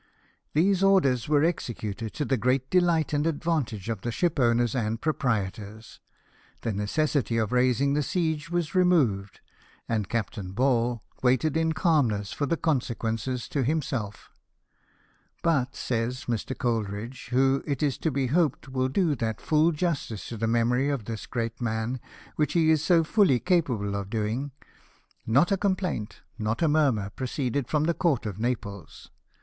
These orders were executed, to the great delight and advantage of the shipowners and proprietors, the necessity of raising the siege was removed, and Captain Ball waited in calmness for the consequences to himself " But," says Mr. Coleridge (who, it is to be hoped, will do that full justice to the memory of this great man which he is so fully capable of doing), " not a com plaint, not a murmur, proceeded from the court of Naples.